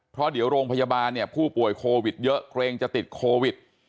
เพราะเดี๋ยวโรงพยาบาลเนี่ยผู้ป่วยโควิดเยอะเกรงจะติดโควิด